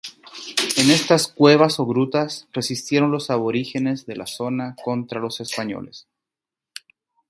En estas cuevas o grutas resistieron los aborígenes de la zona contra los españoles.